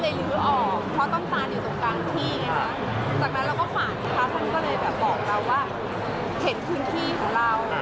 จากนั้นเราก็ฝากท่าท่านก็เลยบอกเราว่าเห็นพื้นที่ของเรา